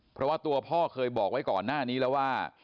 เพราะว่าตัวพ่อเคยบอกไว้ก่อนหน้านี้แล้วว่า